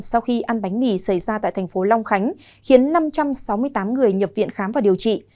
sau khi ăn bánh mì xảy ra tại thành phố long khánh khiến năm trăm sáu mươi tám người nhập viện khám và điều trị